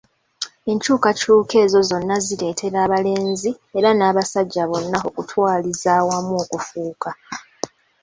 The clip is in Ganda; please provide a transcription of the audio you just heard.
Enkyukakyuka ezo zonna zireetera abalenzi era n'abasajja bonna okutwaliza awamu okufuuka.